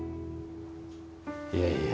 いやいや。